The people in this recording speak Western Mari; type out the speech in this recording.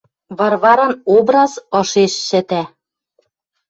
Варваран образ ышеш шӹтӓ